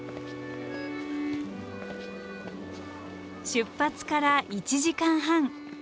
出発から１時間半。